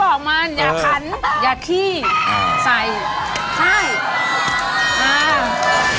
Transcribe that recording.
อย่าขั้นอย่าขี้ใส่ไข้